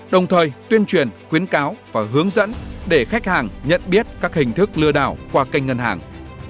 đồng thời tuyên truyền khuyến cáo và hướng dẫn để khách hàng nhận biết các hình thức lừa đảo qua kênh ngân hàng